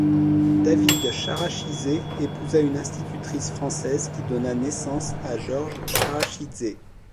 David Charachizé épousa une institutrice française qui donna naissance à Georges Charachidzé.